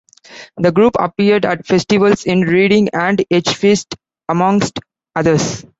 The group appeared at festivals in Reading and Edgefest, amongst others.